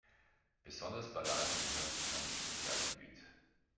Besonders Balladen gehören zu seinem Spezialgebiet.